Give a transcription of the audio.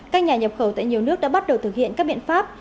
các nhà nhập khẩu tại nhiều nước đã bắt đầu thực hiện các biện pháp